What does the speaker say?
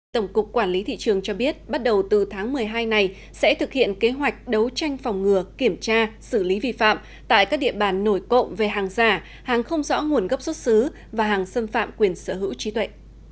tổng cục quản lý thị trường cho biết bắt đầu từ tháng một mươi hai này sẽ thực hiện kế hoạch đấu tranh phòng ngừa kiểm tra xử lý vi phạm tại các địa bàn nổi cộng về hàng giả hàng không rõ nguồn gốc xuất xứ và hàng xâm phạm quyền sở hữu trí tuệ